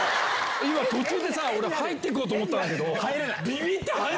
今途中でさ俺入っていこうと思ったけど。